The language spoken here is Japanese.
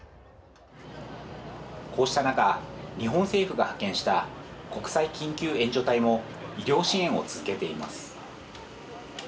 こうした中、日本政府が派遣した国際緊急援助隊も医療支援を続けています。